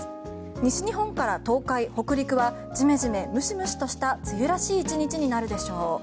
西日本から東海、北陸はジメジメ、ムシムシとした梅雨らしい１日になるでしょう。